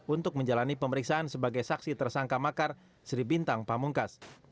untuk menjalani pemeriksaan sebagai saksi tersangka makar sri bintang pamungkas